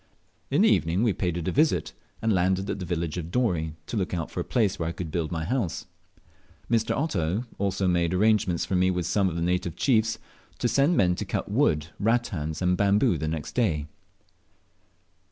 In the evening we paid it a visit, and landed at the village of Dorey, to look out for a place where I could build my house. Mr. Otto also made arrangements for me with some of the native chiefs, to send men to cut wood, rattans, and bamboo the next day.